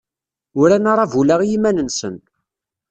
Uran aṛabul-a i yiman-nsen.